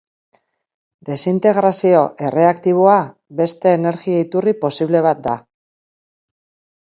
Desintegrazio erradioaktiboa beste energia iturri posible bat da.